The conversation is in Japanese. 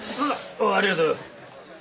おうありがとよ。